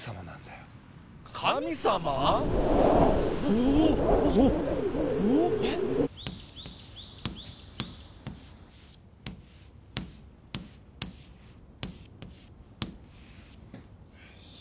よし。